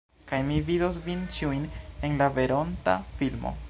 Kaj mi vidos vin ĉiujn en la veronta filmo.